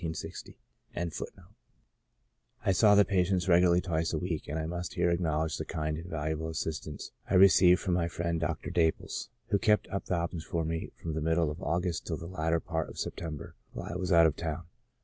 152 ON THE ABUSE OF ALCOHOL I saw the patients regularly twice a week ; and I must here acknowledge the kind and valuable assistance I re ceived from my friend, Dr. Dapples, who kept up these ob servations for me from the middle of August till the latter part of September, while I was out of town.